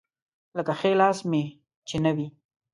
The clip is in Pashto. لکه ښی لاس مې چې نه وي.